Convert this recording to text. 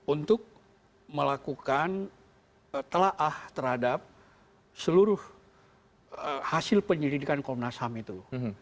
untuk melakukan telahah terhadap seluruh hasil penyelidikan komnas ham itu